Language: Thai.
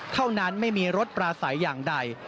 เท่านั้นไม่มีรถปลาใสอย่างใด